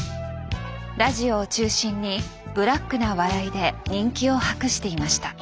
ラジオを中心にブラックな笑いで人気を博していました。